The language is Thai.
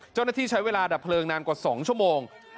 เจ้าหน้าที่ใช้เวลาดับเพลิงนานกว่า๒ชั่วโมง